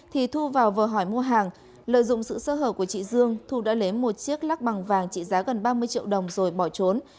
thì thu vào vờ hỏi mua hàng lợi dụng sự sơ hở của chị dương thu đã lấy một chiếc lắc bằng vàng trị giá gần ba mươi triệu đồng rồi bỏ trốn